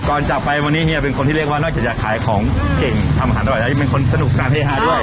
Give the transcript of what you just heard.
จากไปวันนี้เฮียเป็นคนที่เรียกว่านอกจากอยากขายของเก่งทำอาหารอร่อยแล้วยังเป็นคนสนุกสนานเฮฮาด้วย